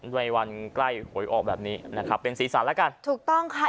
ในวันใกล้หวยออกแบบนี้นะครับเป็นสีสันแล้วกันถูกต้องค่ะ